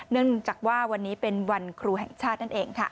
เนื่องจากว่าวันนี้เป็นวันครูแห่งชาตินั่นเองค่ะ